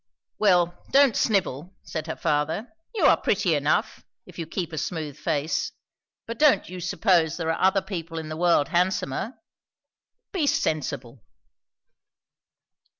"Well, don't snivel," said her father. "You are pretty enough, if you keep a smooth face; but don't you suppose there are other people in the world handsomer? Be sensible."